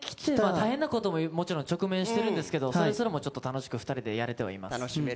大変なことも直面しているんですけど、それすらもちょっと楽しく２人でやれてはいます。